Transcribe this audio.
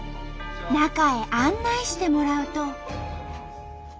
中へ案内してもらうと。